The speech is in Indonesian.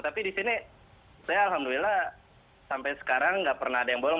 tapi di sini saya alhamdulillah sampai sekarang nggak pernah ada yang bohong